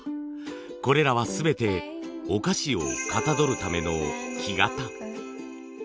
これらは全てお菓子をかたどるための木型。